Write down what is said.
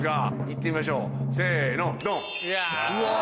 行ってみましょうせのドン！